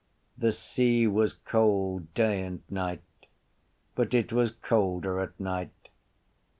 The sea was cold day and night: but it was colder at night.